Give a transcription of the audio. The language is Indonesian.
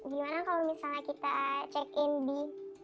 gimana kalau misalnya kita check in di